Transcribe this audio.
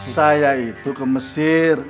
saya itu ke mesir